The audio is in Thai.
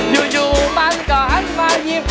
อยู่มันก็หันมาหยิบ